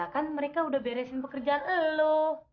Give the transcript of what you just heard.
kan mereka udah beresin pekerjaan lu